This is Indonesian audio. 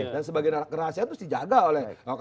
dan sebagian rahasia itu harus dijaga oleh